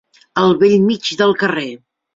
Al bell mig del carrer.